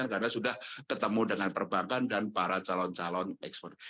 karena sudah ketemu dengan perbankan dan para calon calon eksport